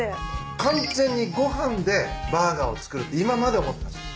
完全にご飯でバーガーを作るって今まで思ってました。